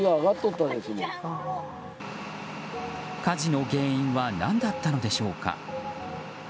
火事の原因は何だったのでしょうか。